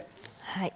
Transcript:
はい。